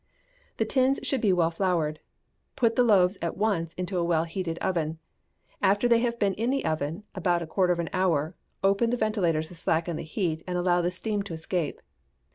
The tins should be well floured. Put the loaves at once into a well heated oven. After they have been in the oven about a quarter of an hour open the ventilator to slacken the heat and allow the steam to escape.